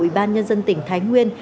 ủy ban nhân dân tỉnh thái nguyên